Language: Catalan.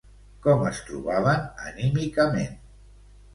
Com es trobaven anímicament?